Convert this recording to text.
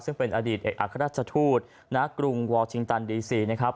ซึ่งเป็นอดีตเอกอัครราชทูตณกรุงวอร์ชิงตันดีซีนะครับ